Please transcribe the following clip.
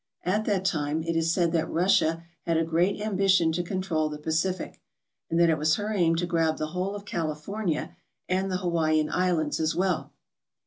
At that time it is said that Russia had a great ambition to control the Pacific, and that it was her aim to grab the whole of California and the Hawaiian Islands as well.